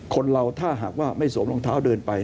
คนเราถ้าหากว่าไม่สวมรองเท้าเดินไป